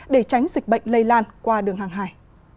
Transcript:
để tránh dịch bệnh lây lan qua đường hàng hải